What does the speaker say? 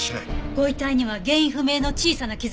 ご遺体には原因不明の小さな傷があります。